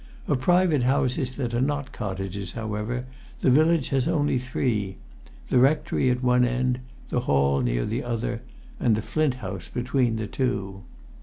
Of private houses that are not cottages, however, the village has only three: the rectory at one end, the hall near the other, and the Flint House between the two.